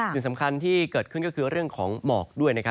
สิ่งสำคัญที่เกิดขึ้นก็คือเรื่องของหมอกด้วยนะครับ